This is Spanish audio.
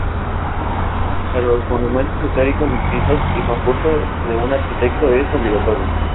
Para los monumentos históricos inscritos, el concurso de un arquitecto es obligatorio.